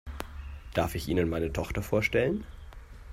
Darf ich Ihnen meine Tochter vorstellen?